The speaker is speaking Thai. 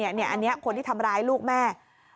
อันนี้คนที่ทำร้ายลูกแม่